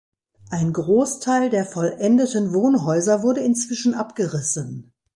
Ein Großteil der vollendeten Wohnhäuser wurde inzwischen abgerissen.